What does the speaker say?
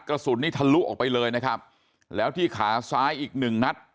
กระสุนนี้ทะลุออกไปเลยนะครับแล้วที่ขาซ้ายอีกหนึ่งนัด